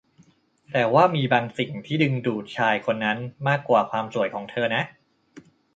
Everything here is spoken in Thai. แต่ว่ามีบางสิ่งที่ที่ดึงดูดชายคนนั้นมากกว่าความสวยของเธอนะ